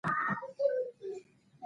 د هېواد ملي پارکونه.